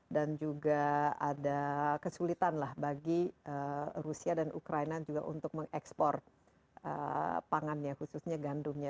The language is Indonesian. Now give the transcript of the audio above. dan juga ada kesulitan lah bagi rusia dan ukraina juga untuk mengekspor pangannya khususnya gandumnya